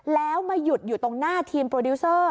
แล้วมาหยุดอยู่ตรงหน้าทีมโปรดิวเซอร์